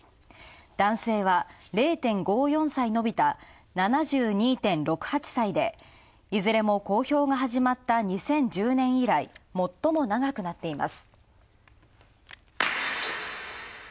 男性は、０．５４歳延びた７２．６８歳で、いずれも公表が始まった２０１０年以来、もっとも長くなっています。